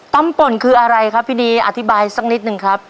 ป่นคืออะไรครับพี่นีอธิบายสักนิดนึงครับ